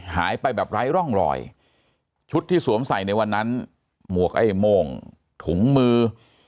หายไปแบบไร้ร่องรอยชุดที่สวมใส่ในวันนั้นหมวกไอ้โม่งถุงมือ